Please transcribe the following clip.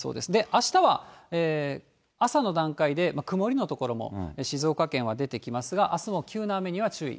あしたは朝の段階で曇りの所も、静岡県は出てきますが、あすも急な雨には注意。